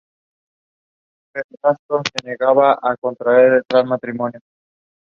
Animation president Sam Register.